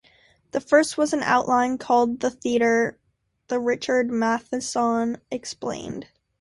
The first was an outline called "The Theatre" that Richard Matheson expanded.